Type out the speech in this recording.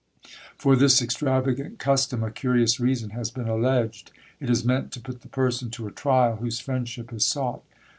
For this extravagant custom a curious reason has been alleged. It is meant to put the person to a trial, whose friendship is sought.